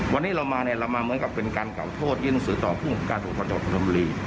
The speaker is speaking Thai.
วันนี้เรามาเนี่ยเรามาเหมือนกับเป็นการเก่าโทษยื่นสื่อต่อผู้หญิงการถูกพอจากประธานบุรี